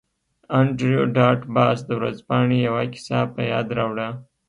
انډریو ډاټ باس د ورځپاڼې یوه کیسه په یاد راوړه